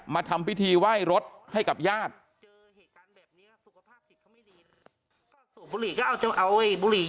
ทำพิธีไหว้รถให้กับญาติ